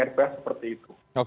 rps seperti itu